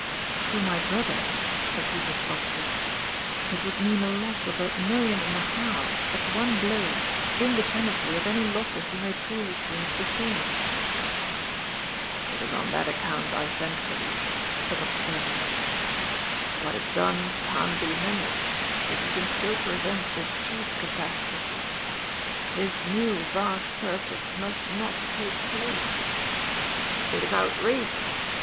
" To my brother," said Hubert softly, " it would mean a loss of a million and a half, at one blow, independently of any losses he may previously have sustained." " It is on that account I sent for you," said Dr. Pillenaar. " "What is done can't be mended, but you can still prevent the chief catastrophe. This new vast purchase must not take place. It is outrageous.